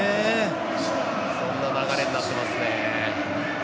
そんな流れになってますね。